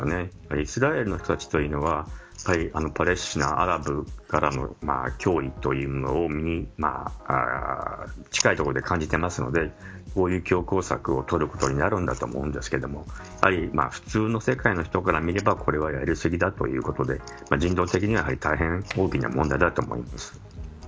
イスラエルの人たちというのはパレスチナ、アラブからの脅威というものを近い所で感じているのでこういう強硬策を取ることになるんだと思うんですけど普通の世界の人から見ればこれはやり過ぎだということで人道的な大変大きな問題だと思います。